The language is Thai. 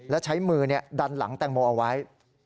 และใช้มือดันหลังแตงโมเอาไว้